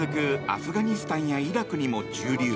アフガニスタンやイラクにも駐留。